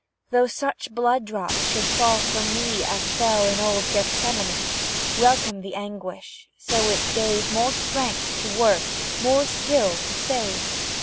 Though such blood drops should fall from me As fell in old Gethsemane, Welcome the anguish, so it gave More strength to work more skill to save.